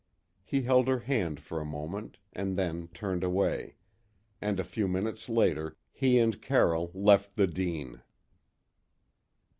He held her hand for a moment and then turned away, and a few minutes later he and Carroll left the Dene.